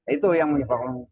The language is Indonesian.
itu yang menjadi bingung